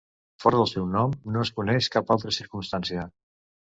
Fora del seu nom no es coneix cap altra circumstància.